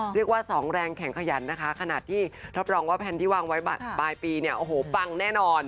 เรียกว่า๒แรงแข่งขยันขณะที่รับรองว่าแผนที่วางไว้บ้านบายปีเนี่ยปากแน่นอน